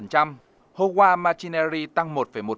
howa machinery tăng một ba